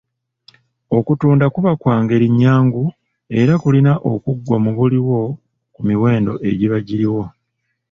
Okutunda kuba kwa ngeri nnyangu era kulina okuggwa mu buliwo ku miwendo egiba giriwo.